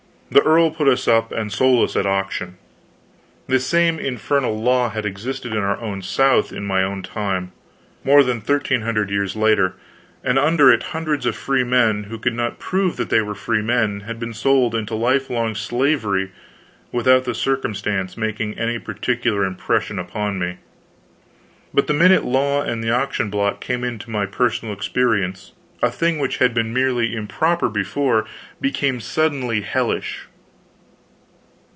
The earl put us up and sold us at auction. This same infernal law had existed in our own South in my own time, more than thirteen hundred years later, and under it hundreds of freemen who could not prove that they were freemen had been sold into lifelong slavery without the circumstance making any particular impression upon me; but the minute law and the auction block came into my personal experience, a thing which had been merely improper before became suddenly hellish.